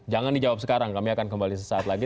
jangan dijawab sekarang kami akan kembali sesaat lagi